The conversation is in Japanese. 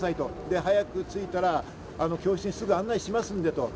早く着いたら教室にすぐ案内しますのでと。